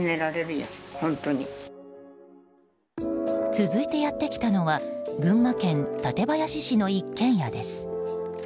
続いてやってきたのは群馬県館林市の一軒家です。